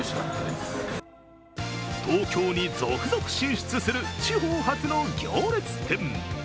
東京に続々進出する地方発の行列店。